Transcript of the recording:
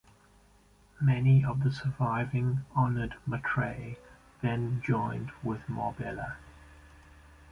Many of the surviving Honored Matres then join with Murbella.